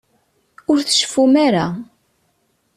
Ur tceffum ara.